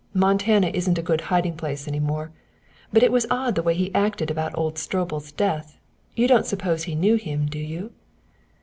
Montana isn't a good hiding place any more. But it was odd the way he acted about old Stroebel's death. You don't suppose he knew him, do you?"